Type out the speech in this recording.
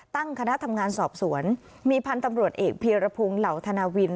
ตั้งคณะทำงานสอบสวนมีพันธุ์ตำรวจเอกเพียรพงศ์เหล่าธนาวิน